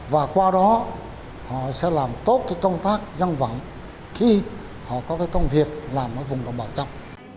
và qua đó họ sẽ làm tốt cái công tác dân vận khi họ có cái công việc làm ở vùng đồng bào trăm